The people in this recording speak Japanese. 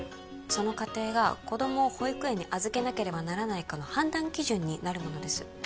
その家庭が子供を保育園に預けなければならないかの判断基準になるものです